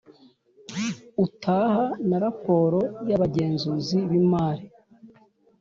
utaha na raporo y Abagenzuzi b imari